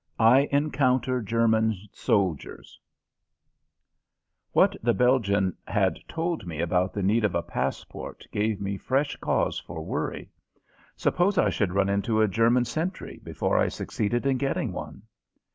XI I ENCOUNTER GERMAN SOLDIERS What the Belgian had told me about the need of a passport gave me fresh cause for worry. Suppose I should run into a German sentry before I succeeded in getting one?